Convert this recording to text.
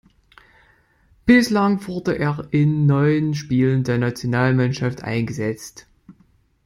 Bislang wurde er in neun Spielen der Nationalmannschaft eingesetzt.